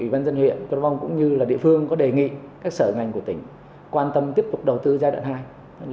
dân dân huyện crôm vông cũng như địa phương có đề nghị các sở ngành của tỉnh quan tâm tiếp tục đầu tư giai đoạn hai